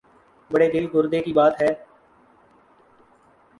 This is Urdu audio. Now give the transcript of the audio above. بڑے دل گردے کی بات ہے۔